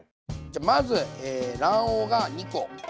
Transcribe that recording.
じゃあまず卵黄が２コはい。